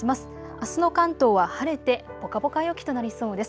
あすの関東は晴れてぽかぽか陽気となりそうです。